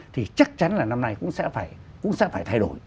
thì chắc chắn là năm nay cũng sẽ phải thay đổi